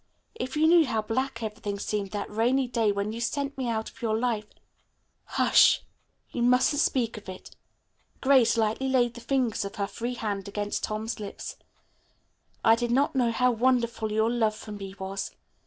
If you knew how black everything seemed that rainy day when you sent me out of your life " "Hush, you mustn't speak of it," Grace lightly laid the fingers of her free hand against Tom's lips. "I did not know how wonderful your love for me was.